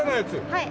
はい。